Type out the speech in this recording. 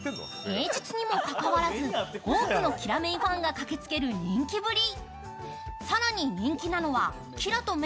平日にもかかわらず、多くのキラメイファンが駆けつける人気ぶり。